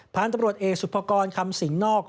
ผ่านตำรวจเอกสุภากรคำสิงห์นอก